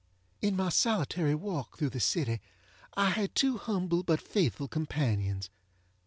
In my solitary walk through, the city I had two humble but faithful companions.